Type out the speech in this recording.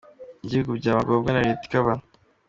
gihugu byaba ngombwa na leta ikaba.